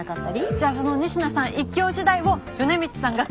じゃあその仁科さん一強時代を米光さんが崩したわけですね。